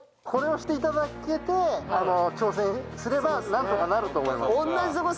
これを知って頂けて挑戦すればなんとかなると思います。